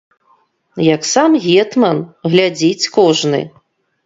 Як сам гетман, глядзіць кожны!